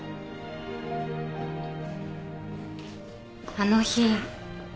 あの日。